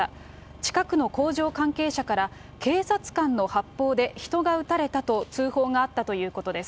近くの工場関係者から、警察官の発砲で人が撃たれたと通報があったということです。